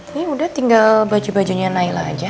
ini udah tinggal baju bajunya naila aja